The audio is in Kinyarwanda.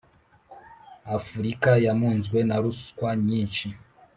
afurika yamuzwe na ruswa nyinshi